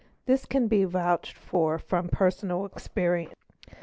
This_ can be vouched for from personal experience.